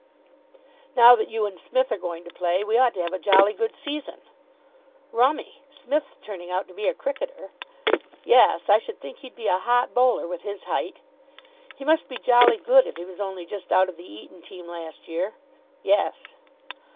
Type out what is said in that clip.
"Now that you and Smith are going to play, we ought to have a jolly good season." "Rummy, Smith turning out to be a cricketer." "Yes. I should think he'd be a hot bowler, with his height." "He must be jolly good if he was only just out of the Eton team last year." "Yes."